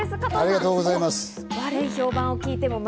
ありがとうございます。